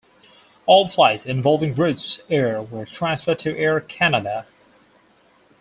All flights involving Roots Air were transferred to Air Canada.